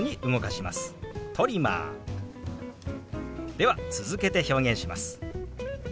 では続けて表現します。